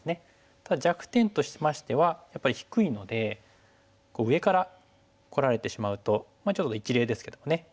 ただ弱点としましてはやっぱり低いので上からこられてしまうとちょっと一例ですけどもね。